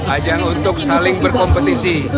ajang untuk saling berkompetisi